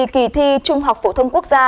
kỳ thi trung học phổ thông quốc gia